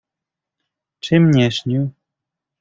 "Czym nie śnił?"